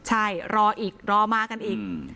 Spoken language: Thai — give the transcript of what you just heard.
ใช่รออีกรอมากันอีก